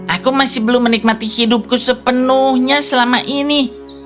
aku masih belum menikmati hidupku sepenuhnya selama ini